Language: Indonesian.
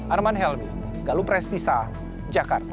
arman helmi galup resti saat jakarta